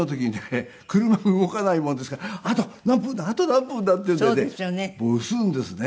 車動かないもんですからあと何分だあと何分だっていうんでね押すんですね。